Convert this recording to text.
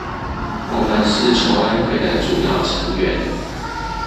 是籌安會的主要成員